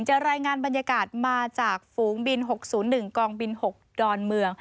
รายงานบรรยากาศมาจากฝูงบิน๖๐๑กองบิน๖ดอนเมือง